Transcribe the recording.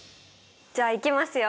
じゃあいきますよ！